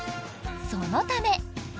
そのため。